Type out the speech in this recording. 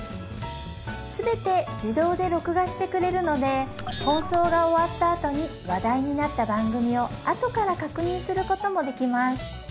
全て自動で録画してくれるので放送が終わった後に話題になった番組を後から確認することもできます